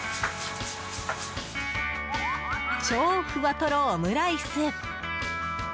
超ふわトロオムライス。